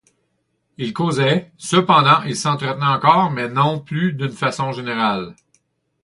Ils causaient, cependant, ils s’entretenaient encore, mais non plus d’une façon générale.